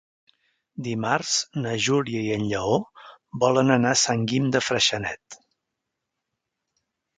Dimarts na Júlia i en Lleó volen anar a Sant Guim de Freixenet.